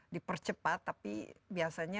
dipercepat tapi biasanya